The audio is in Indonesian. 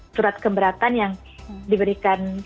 surat keberatan yang diberikan